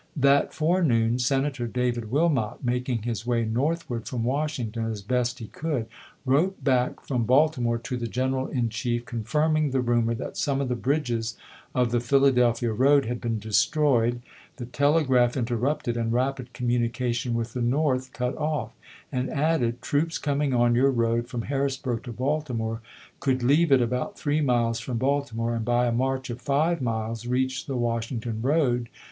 That forenoon, Sen ator David Wilmot, making his way northward from Washington as best he conld, wrote back from Baltimore to the Greneral in Chief, confirming the rumor that some of the bridges of the Philadelphia road had been destroyed, the tele graph interrupted, and rapid communication with the North cut off ; and added, " Troops coming on your road [from Harrisburg to Baltimore] could leave it about three miles from Baltimore, and by wiimot to a march of five miles reach the Washington road aplm^isgi!